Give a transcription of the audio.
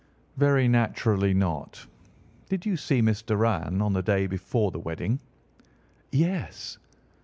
"Very naturally not. Did you see Miss Doran on the day before the wedding?" "Yes."